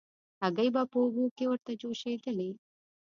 هګۍ به په اوبو کې ورته جوشېدلې.